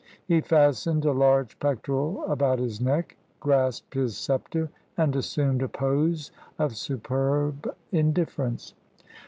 He fastened a large pectoral about his neck, grasped his scepter, and assumed a pose of superb in difference.